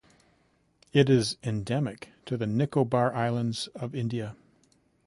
It is endemic to the Nicobar Islands of India.